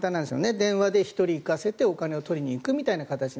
電話で１人行かせてお金を取りに行くという形で。